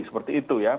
seperti itu ya